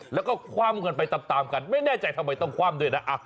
แล้วก็คว่ำกันไปตามกันไม่แน่ใจทำไมต้องคว่ำด้วยนะ